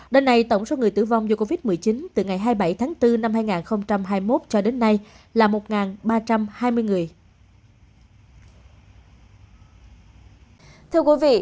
đến nay tổng số người tử vong do covid một mươi chín từ ngày hai mươi bảy tháng bốn năm hai nghìn hai mươi một cho đến nay là một ba trăm hai mươi người